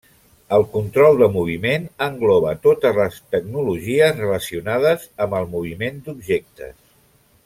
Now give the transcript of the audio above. El control de Moviment engloba totes les tecnologies relacionades amb el moviment d'objectes.